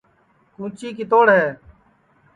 کُونٚچی کِتوڑ ہے